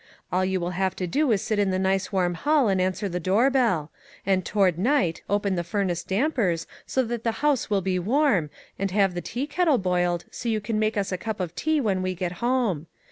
All you will have to do is to sit in the nice warm hall 28 ETHEL and answer the door bell; and toward night open the furnace dampers so that the house will be warm, and have the tea kettle boiled, so you can make us a cup of tea when we get home.